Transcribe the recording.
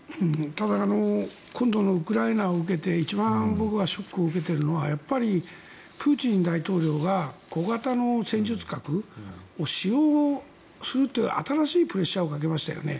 ただ今度のウクライナを受けて一番、僕がショックを受けているのはやっぱり、プーチン大統領が小型の戦術核を使用するという新しいプレッシャーをかけましたよね。